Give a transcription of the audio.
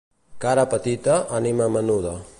Cara petita, ànima menuda.